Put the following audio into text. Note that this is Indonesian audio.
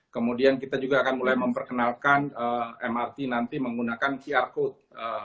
kemudian kita juga akan mulai memperkenalkan mrt nanti menggunakan qr code